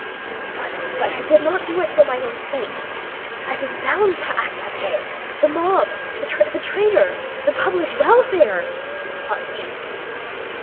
"But I did not do it for my own sake. I was bound to act that way.... The mob, the traitor... the public welfare," thought he.